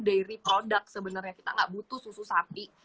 dairy product sebenarnya kita nggak butuh susu sapi